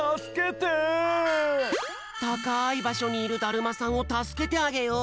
たかいばしょにいるだるまさんをたすけてあげよう。